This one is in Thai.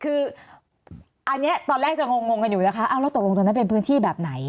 คืออันนี้ตอนแรกจะงงกันอยู่นะคะแล้วตกลงตรงนั้นเป็นพื้นที่แบบไหน